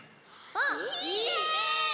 あっいいね！